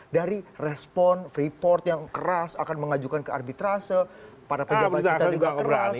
dari respon freeport yang keras akan mengajukan kearbitrase para pejabat kita juga keras